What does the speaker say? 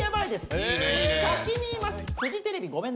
先に言います。